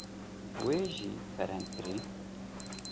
Wê jî ferheng kirî.